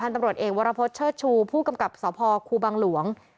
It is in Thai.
ตำรวจเอกวรพฤษเชิดชูผู้กำกับสพครูบังหลวง